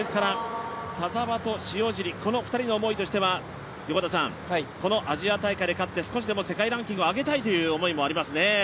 田澤と塩尻、２人の思いとしては、このアジア大会で勝って少しでも世界ランキングを上げたいという思いもありますね。